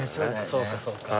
そうかそうか。